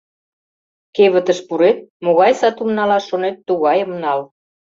Кевытыш пурет, могай сатум налаш шонет, тугайым нал.